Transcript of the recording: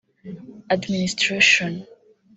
administration